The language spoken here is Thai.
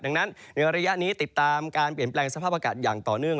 ดังนั้นในระยะนี้ติดตามการเปลี่ยนแปลงสภาพอากาศอย่างต่อเนื่อง